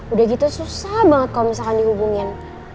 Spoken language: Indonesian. udah gitu susah banget kalau misalkan dihubungin